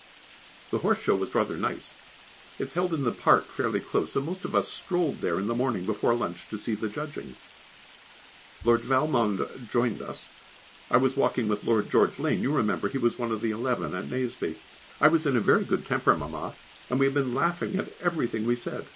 The Horse Show was rather nice; it is held in the park fairly close, and most of us strolled there in the morning before lunch to see the judging. Lord Valmond joined us, I was walking with Lord George Lane (you remember he was one of the Eleven at Nazeby). I was in a very good temper, Mamma, and we had been laughing at everything we said.